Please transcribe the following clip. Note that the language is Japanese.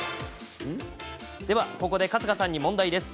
では、ここで春日さんに問題です。